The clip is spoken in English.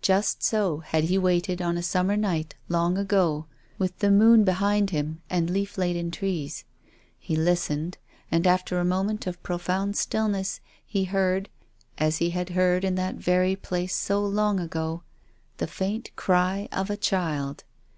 Just so had he waited on a summer night long ago, with the moon behind him and leaf laden trees. He listened, and, after a moment of pro found stillness, he heard — as he had heard in that very place so long ago — the faint cry of a child.